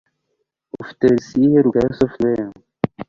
ufite verisiyo iheruka ya software